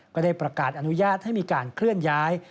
ก็ได้ประกาศอนุญาตให้มีการเคลื่อนย้าย